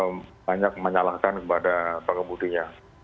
mereka banyak menyalahkan kepada pengemudinya